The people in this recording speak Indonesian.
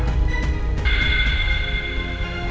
lu bakal hancur